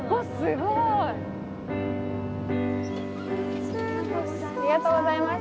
すごい。